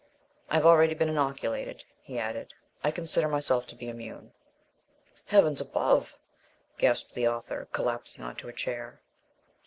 I have already been inoculated," he added; "I consider myself to be immune." "Heavens above!" gasped the author, collapsing on to a chair.